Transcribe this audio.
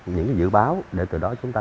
những dự báo để từ đó chúng ta